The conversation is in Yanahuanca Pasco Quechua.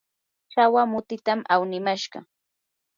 chawa mutitam awnimashqa.